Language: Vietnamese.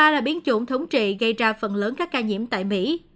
là phần lớn các ca nhiễm tại mỹ